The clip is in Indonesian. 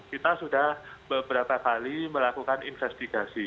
kita sudah beberapa kali melakukan investigasi